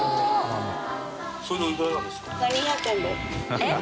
えっ？